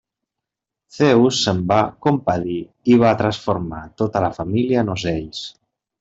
Zeus se'n va compadir i va transformar tota la família en ocells.